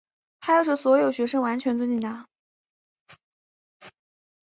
她要求所有学生完全尊敬她。